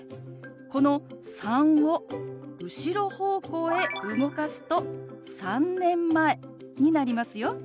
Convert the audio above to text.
この「３」を後ろ方向へ動かすと「３年前」になりますよ。